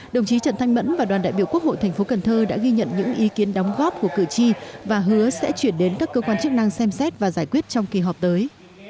đồng chí trần thanh mẫn và đoàn đại biểu quốc hội thành phố cần thơ đã ghi nhận những ý kiến đóng góp của cử tri và hứa sẽ chuyển đến các cơ quan chức năng xem xét và giải quyết trong kỳ họp tới